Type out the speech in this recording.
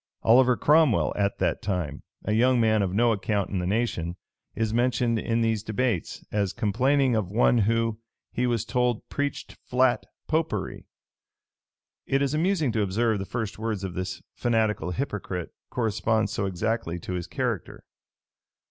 [] Oliver Cromwell, at that time a young man of no account in the nation, is mentioned in these debates, as complaining of one who, he was told, preached flat Popery.[] It is amusing to observe the first words of this fanatical hypocrite correspond so exactly to his character.